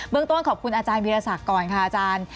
เรื่องต้นขอบคุณอาจารย์วิทยาศักดิ์ก่อนค่ะอาจารย์